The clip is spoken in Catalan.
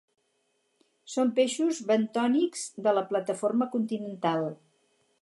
Són peixos bentònics de la plataforma continental.